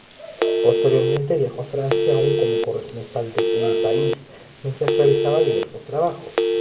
Posteriormente viajó a Francia aún como corresponsal de El País mientras realizaba diversos trabajos.